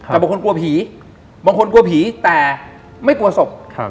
แต่บางคนกลัวผีบางคนกลัวผีแต่ไม่กลัวศพ